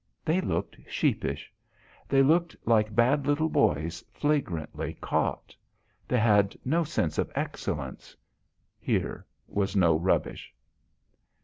They looked sheepish. They looked like bad little boys flagrantly caught. They had no sense of excellence. Here was no rubbish.